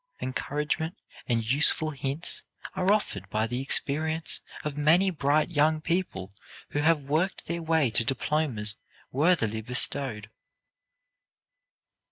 Encouragement and useful hints are offered by the experience of many bright young people who have worked their way to diplomas worthily bestowed.